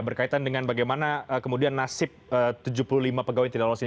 berkaitan dengan bagaimana kemudian nasib tujuh puluh lima pegawai yang tidak lolos ini